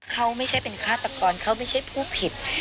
เขาไม่ใช่เป็นฆาตกรเขาไม่ใช่ผู้ผิด